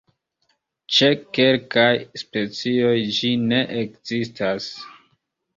Ĉe kelkaj specioj ĝi ne ekzistas.